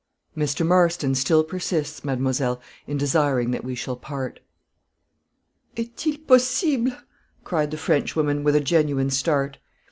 "Mr. Marston still persists, mademoiselle, in desiring that we shall part." "Est il possible?" cried the Frenchwoman, with a genuine start.